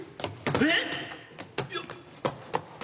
えっ？